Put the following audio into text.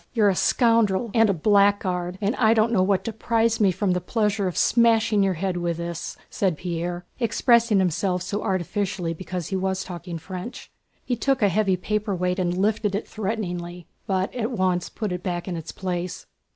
"You're a scoundrel and a blackguard, and I don't know what deprives me from the pleasure of smashing your head with this!" said Pierre, expressing himself so artificially because he was talking French. He took a heavy paperweight and lifted it threateningly, but at once put it back in its place.